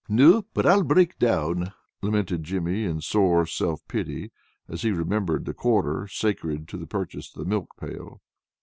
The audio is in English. "No, but I'll break down," lamented Jimmy in sore self pity, as he remembered the quarter sacred to the purchase of the milk pail.